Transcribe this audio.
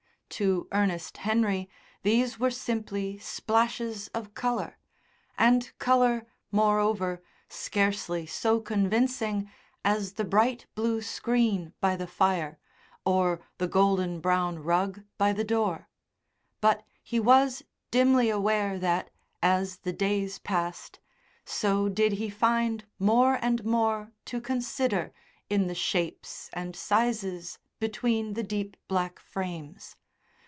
To Ernest Henry these were simply splashes of colour, and colour, moreover, scarcely so convincing as the bright blue screen by the fire, or the golden brown rug by the door; but he was dimly aware that, as the days passed, so did he find more and more to consider in the shapes and sizes between the deep black frames....